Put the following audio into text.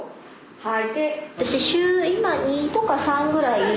はい。